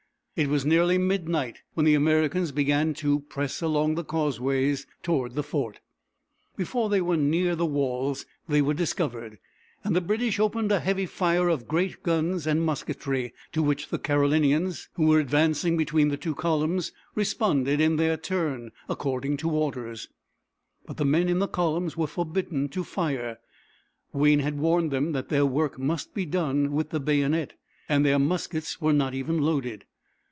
It was nearly midnight when the Americans began to press along the causeways toward the fort. Before they were near the walls they were discovered, and the British opened a heavy fire of great guns and musketry, to which the Carolinians, who were advancing between the two columns, responded in their turn, according to orders; but the men in the columns were forbidden to fire. Wayne had warned them that their work must be done with the bayonet, and their muskets were not even loaded.